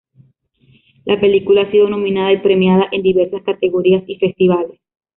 La película ha sido nominada y premiada en diversas categorías y festivales.